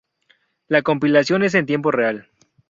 La compilación es en tiempo real.